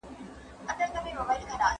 ایا ستا زوی هره ورځ په بس کې کار ته ځي؟